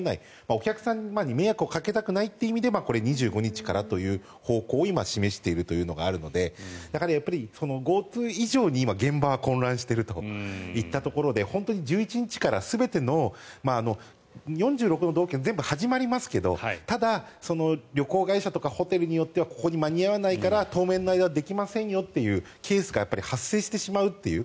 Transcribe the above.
お客様に迷惑をかけたくないということで２５日からという方向を示しているというのがあるのでＧｏＴｏ以上に今、現場は混乱しているといたところで１１日から全ての４６の道府県全て始まりますけどただ、旅行会社とかホテルによってはここに間に合わないから当面の間はできませんというケースが発生してしまうという。